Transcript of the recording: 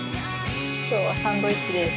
今日はサンドイッチです。